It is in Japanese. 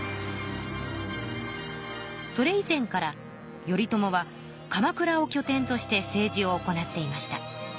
それ以前から頼朝は鎌倉をきょ点として政治を行っていました。